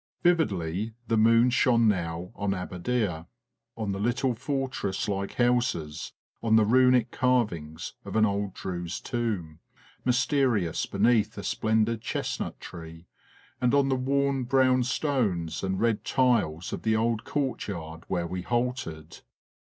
Vividly the moon shone now on Abadieh, on the little fortress like houses, on the runic carvings of an old Druse tomb, mysterious beneath a splendid chestnut tree, and on the worn brown stones and red tiles of the old courtyard where we halted.